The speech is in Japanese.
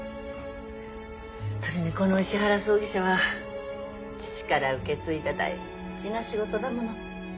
それにこの石原葬儀社は父から受け継いだ大事な仕事だもの。